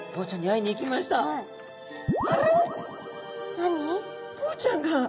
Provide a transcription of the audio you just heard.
何？